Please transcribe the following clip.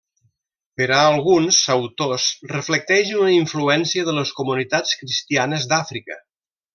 Per a alguns autors reflecteix una influència de les comunitats cristianes d'Àfrica.